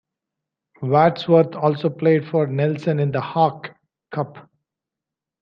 Wadsworth also played for Nelson in the Hawke Cup.